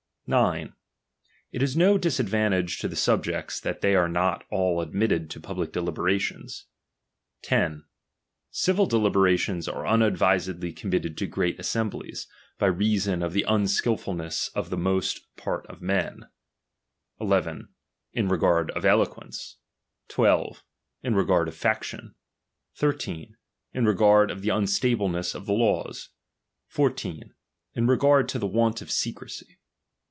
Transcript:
9. It is no disadvantage to the subjects, that they are not all admitted to public deliberations. 10. Civil deliberations are unadvisedly committed to great assemblies, by reason of the unskilfulness of the most part of men : 1 1 . Id regard of eloquence ; 12. In regard of faction : 13. In regard of the unstableness of the laws: 14. In regard of the want of secrecy.